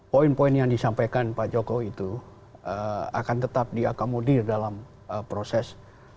poin poin yang disampaikan pak jokowi itu akan tetap diakomodir dalam proses